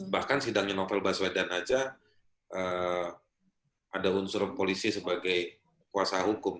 bahkan sidangnya novel baswedan saja ada unsur polisi sebagai kuasa hukum